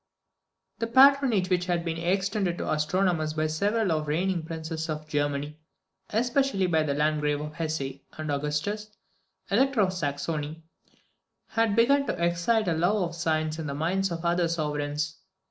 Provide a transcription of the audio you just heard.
_ The patronage which had been extended to astronomers by several of the reigning princes of Germany, especially by the Landgrave of Hesse, and Augustus, Elector of Saxony, had begun to excite a love of science in the minds of other sovereigns.